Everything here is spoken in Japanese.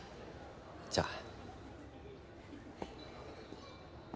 じゃあ。